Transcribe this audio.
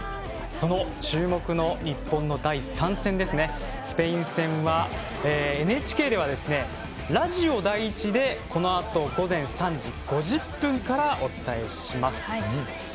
注目の日本の第３戦スペイン戦はＮＨＫではラジオ第１でこのあと午前３時５０分からお伝えします。